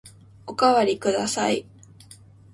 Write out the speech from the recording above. おかわりください。